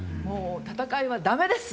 戦いはだめです。